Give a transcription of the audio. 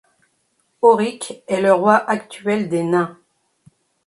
Orik est le roi actuel des nains.